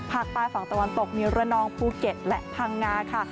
ภาคใต้ฝังตะวันตกมีเรือนองภูเก็ตและพางงา